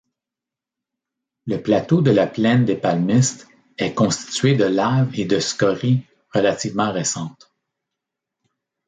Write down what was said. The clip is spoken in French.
Le plateau de la Plaine-des-Palmistes est constitué de laves et de scories relativement récentes.